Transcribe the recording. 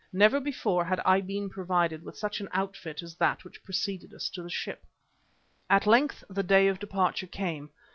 Never before had I been provided with such an outfit as that which preceded us to the ship. At length the day of departure came.